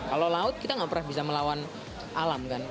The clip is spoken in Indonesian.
kalau laut kita nggak pernah bisa melawan alam kan